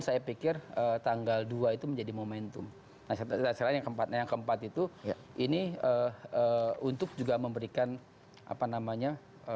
saya pikir tanggal dua itu menjadi momentum nah selain yang keempat yang keempat itu ini untuk juga memberikan apa namanya